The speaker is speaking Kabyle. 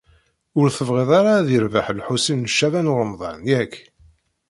Ur tebɣiḍ ara ad irbeḥ Lḥusin n Caɛban u Ṛemḍan, yak?